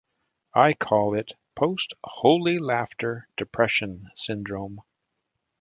I call it post-Holy Laughter depression syndrome.